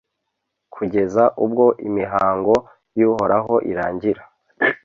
kugeza ubwo imihango y'uhoraho irangira